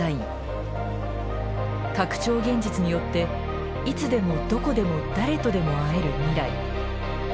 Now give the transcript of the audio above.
現実によっていつでもどこでも誰とでも会える未来。